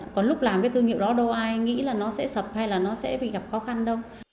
còn lúc làm cái thương hiệu đó đâu ai nghĩ là nó sẽ sập hay là nó sẽ bị gặp khó khăn đâu